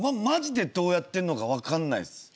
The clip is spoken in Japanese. マジでどうやってんのか分かんないです。